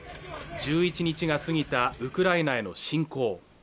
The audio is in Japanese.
１１日が過ぎたウクライナへの侵攻